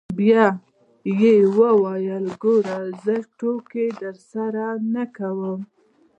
بيا يې وويل ګوره زه ټوکې درسره نه کوم.